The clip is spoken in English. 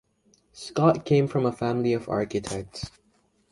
Scott came from a family of architects.